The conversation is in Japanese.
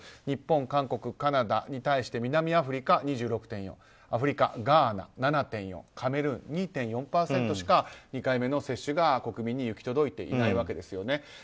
日本、韓国、カナダに対して南アフリカ、２６．４アフリカ・ガーナ、７．４％カメルーン、２．５％しか２回目の接種が国民に行き届いていないわけです。